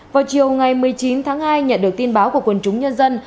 vào chiều ngày một mươi chín tháng hai nhận được tin báo của quân chúng nhân dân